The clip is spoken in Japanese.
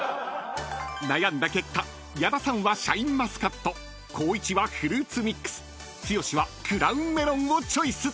［悩んだ結果矢田さんはシャインマスカット光一はフルーツミックス剛はクラウンメロンをチョイス］